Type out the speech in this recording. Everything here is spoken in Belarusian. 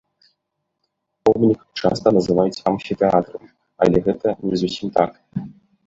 Помнік часта называюць амфітэатрам, але гэта не зусім так.